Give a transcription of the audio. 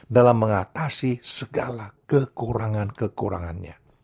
dalam mengatasi segala kekurangan kekurangannya